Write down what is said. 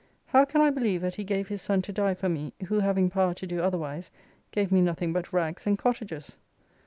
How can I believe that He gave His Son to die for me, who having power to do otherwise gave me nothing but rags and cottages